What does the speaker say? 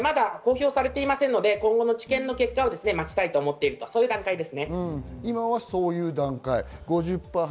まだ結果は公表されていないので今後の治験の結果を待ちたいと思っている段階です。